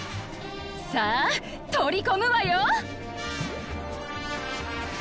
さあとりこむわよ！